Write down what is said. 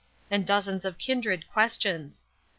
" and dozens of kindred questions.